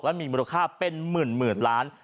และมีมูลค่าเป็นหมื่นล้าน